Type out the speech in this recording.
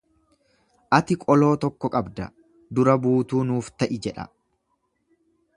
Ati qoloo tokko qabda, dura-buutuu nuuf ta'i jedha.